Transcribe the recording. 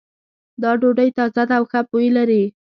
دا ډوډۍ تازه ده او ښه بوی لری